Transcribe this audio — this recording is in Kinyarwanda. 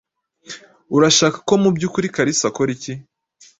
Urashaka ko mubyukuri Kalisa akora iki?